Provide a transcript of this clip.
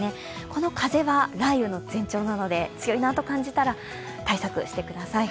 この風が雷雨の前兆なので強いなと感じたら対策してください。